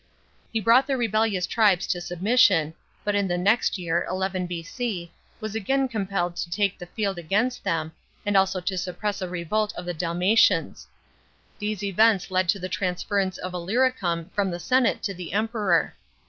He brought the rebellious tribes to submission, but in the next year (11 B.C.) was again compelled to take the field against them, and also to suppress a revolt of the Dalmatians. These events led to the transference of Illyricum from the senate to the Emperor.